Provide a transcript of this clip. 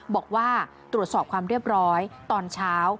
บอกว่าตรวจสอบความเรียบร้อยตอนเช้า